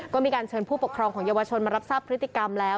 ก็มีการเชิญผู้ปกครองของเยาวชนมารับทราบพฤติกรรมแล้ว